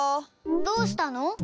どうしたの？